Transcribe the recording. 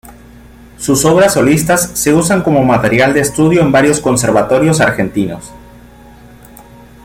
Sus obras solistas se usan como material de estudio en varios conservatorios argentinos.